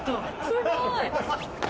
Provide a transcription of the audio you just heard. すごい。